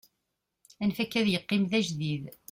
anef akka ad yeqqim d ajdid